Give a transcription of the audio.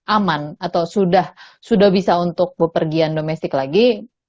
aman atau sudah sudah bisa untuk pepergian domestik lagi